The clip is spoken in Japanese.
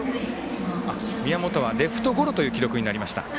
宮本はレフトゴロという記録になりました。